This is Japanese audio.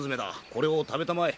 これを食べたまえ。